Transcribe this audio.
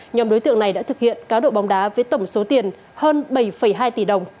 nhóm đối tượng này đã thực hiện cá độ bóng đá với tổng số tiền hơn bảy hai tỷ đồng